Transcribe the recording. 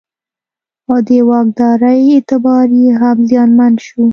او د واکدارۍ اعتبار یې هم زیانمن شو.